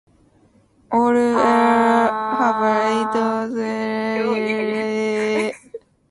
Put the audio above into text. All Mesothelae have eight spinnerets in four pairs.